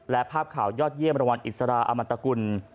และภาพข่าวยอดเยี่ยมรางวัลอิสราอามันตกุล